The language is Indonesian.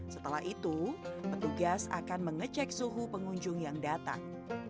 setelah itu petugas akan mengecek suhu pengunjung yang datang